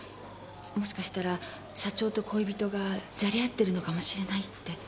もしかしたら社長と恋人がじゃれ合ってるのかもしれないって。